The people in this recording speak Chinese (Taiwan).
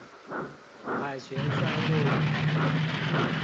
凱旋三路